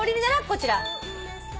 こちら。